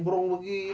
malu entarnya nih